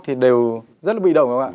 thì đều rất là bị động